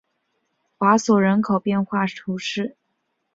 索瓦人口变化图示